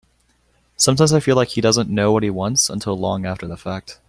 Sometimes I feel like he doesn’t know what he wants until long after the fact.